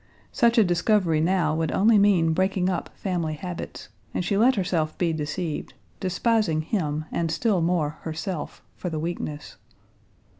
Such a discovery now would only mean breaking up family habits, and she let herself be deceived, despising him and still more herself, for the weakness.